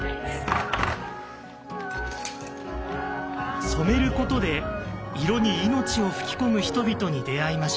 「染めること」で色に命を吹き込む人々に出会いました。